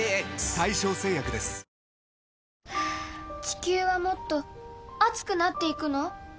地球はもっと熱くなっていくの？